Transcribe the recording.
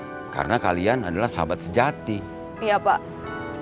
soalnya kita cuma sekedar teman teman